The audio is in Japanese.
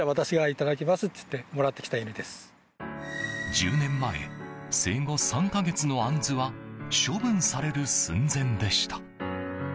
１０年前生後３か月のアンズは処分される寸前でした。